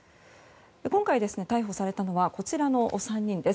今回、逮捕されたのはこちらの３人です。